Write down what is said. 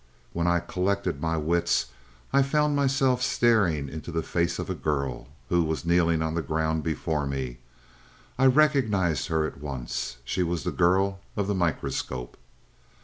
When I collected my wits I found myself staring into the face of a girl, who was kneeling on the ground before me. I recognized her at once she was the girl of the microscope.